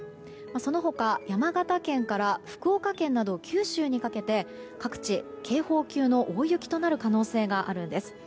その他、山形県から福岡県など九州にかけて各地、警報級の大雪となる可能性があるんです。